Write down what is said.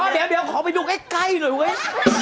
เดี๋ยวขอไปดูใกล้หน่อยเว้ย